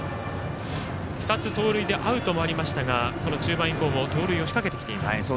２つ盗塁でアウトもありましたが中盤以降も盗塁を仕掛けてきています。